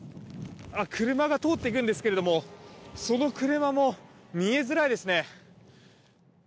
車が通っていくんですがその車も見えづらいですね。